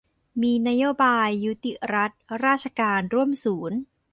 มีนโยบายยุติรัฐราชการร่วมศูนย์